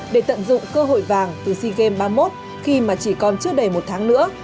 để tận dụng cơ hội vàng từ sea games ba mươi một khi mà chỉ còn chưa đầy một tháng nữa